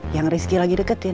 yang rizky lagi deketin